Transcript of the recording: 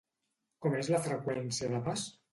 Com és la freqüència de pas?